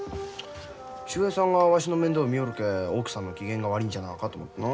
秀平さんがわしの面倒見よるけえ奥さんの機嫌が悪いんじゃなあかと思ってな。